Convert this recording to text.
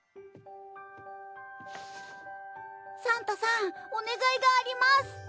サンタさんお願いがあります。